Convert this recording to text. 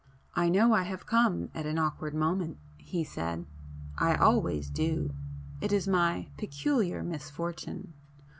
"I know I have come at an awkward moment," he [p 21] said—"I always do! It is my peculiar misfortune.